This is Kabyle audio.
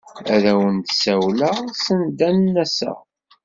Ad awen-d-ssawleɣ send ad n-aseɣ.